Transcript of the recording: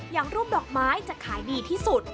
อย่างรูปดอกไม้จะขายดีที่สุด